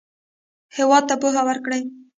هېواد ته پوهه ورکړئ